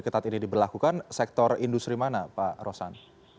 ketat ini diberlakukan sektor industri mana pak rosan